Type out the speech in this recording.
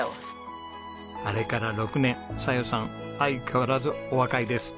あれから６年小夜さん相変わらずお若いです。